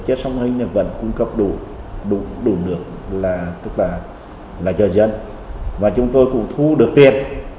chứ sông hình vẫn cung cấp đủ đủ nước là cho dân và chúng tôi cũng thu được tiền